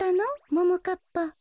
ももかっぱ。